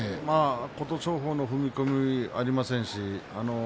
琴勝峰は踏み込みがありませんしね。